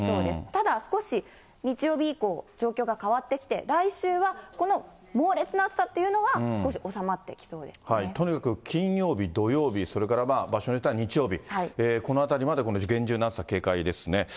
ただ少し、日曜日以降、状況が変わってきて、来週はこの猛烈な暑さっていうのは、とにかく金曜日、土曜日、それから場所によっては日曜日、このあたりまでこの厳重な暑さ、警戒ですね。